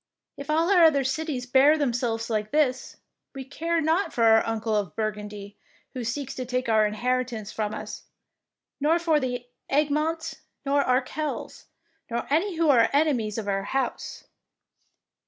If all our other cities bear themselves like this, we care not for our uncle of Burgundy, who seeks to take our in heritance from us, nor for the Egmonts nor Arkels, nor any who are enemies of our house."